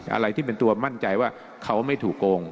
อะไรที่เป็นตัวมั่นใจว่าเขาไม่ถูกโกง